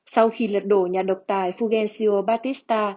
sau khi lật đổ nhà độc tài fulgencio pazpista